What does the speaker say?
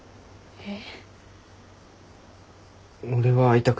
えっ？